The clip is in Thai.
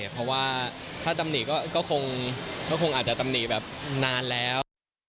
เพราะว่าถ้าตำหนิก็คงอาจจะตำหนิแบบนานแล้ว